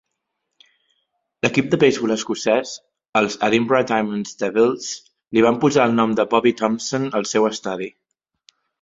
L'equip de beisbol escocès, els Edinburgh Diamond Devils, li van posar el nom de Bobby Thomson al seu estadi.